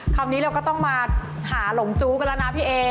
คราวนี้เราก็ต้องมาหาหลงจู้กันแล้วนะพี่เอ